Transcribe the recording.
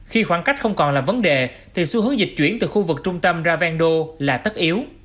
khi khoảng cách không còn là vấn đề thì xu hướng dịch chuyển từ khu vực trung tâm ra ven đô là tất yếu